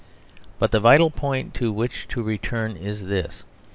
But the vital point to which to return is this.